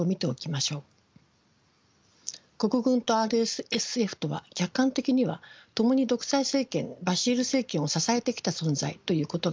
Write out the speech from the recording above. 国軍とＲＳＦとは客観的にはともに独裁政権バシール政権を支えてきた存在ということができます。